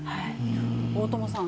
大友さん